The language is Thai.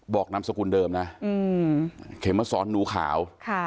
บอกนามสกุลเดิมนะเขมรสรตหนูขาว